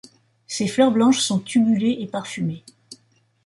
Ses fleurs blanches sont tubulées et parfumées.